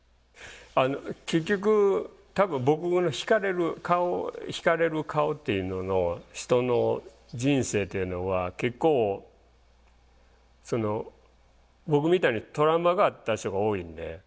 結局多分僕の惹かれる顔惹かれる顔っていうのの人の人生っていうのは結構その僕みたいにトラウマがあった人が多いんで。